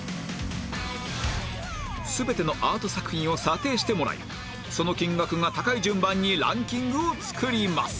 全てのアート作品を査定してもらいその金額が高い順番にランキングを作ります